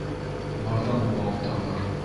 Барҙан бал тамыр.